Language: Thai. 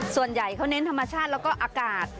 ส่วนใหญ่เขาเน้นธรรมชาติแล้วก็อากาศ